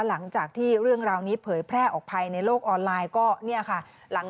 หลังจากที่เรื่องราวนี้เผยแพร่ออกภัยในโลกออนไลน์